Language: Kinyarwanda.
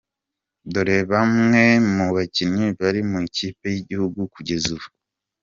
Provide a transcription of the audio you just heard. Dore bamwe mu bakinnyi bari mu ikipe y’igihugu kugeza ubu.